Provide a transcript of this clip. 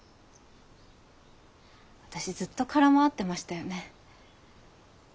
私ずっと空回ってましたよね。